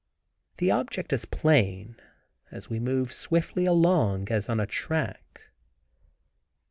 The object is plain, when we move swiftly along as on a track.